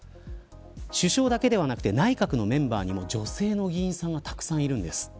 首相だけではなく内閣のメンバーにも女性の議員さんがたくさんいるんです。